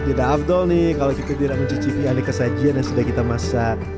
tidak afdol nih kalau tidak mencicipi alih kesajian yang sudah kita masak